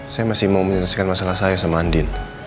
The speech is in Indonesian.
saya masih mau menyelesaikan masalah saya sama andin